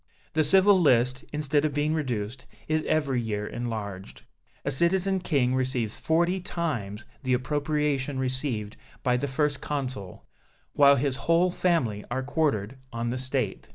The civil list, instead of being reduced, is every year enlarged. A Citizen King receives forty times the appropriation received by the First Consul, while his whole family are quartered on the State.